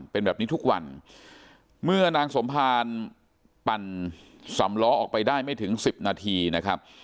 เป็นแบบนี้ทุกวันเมื่อนางสมภารปั่นสำล้อออกไปได้ไม่ถึงสิบนาทีนะครับ